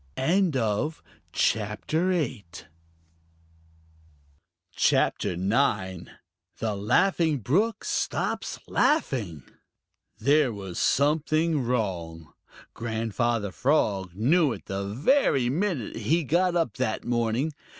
CHAPTER IX: The Laughing Brook Stops Laughing There was something wrong. Grandfather Frog knew it the very minute he got up that morning.